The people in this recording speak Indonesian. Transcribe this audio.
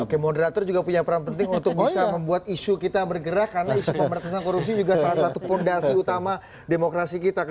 oke moderator juga punya peran penting untuk bisa membuat isu kita bergerak